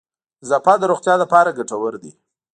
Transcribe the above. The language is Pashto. نظافت د روغتیا لپاره گټور دی.